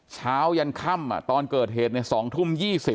เช้ายันค่ำอ่ะตอนเกิดเหตุใน๒ทุ่ม๒๐